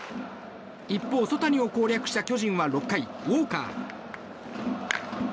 一方、曽谷を攻略した巨人は６回、ウォーカー。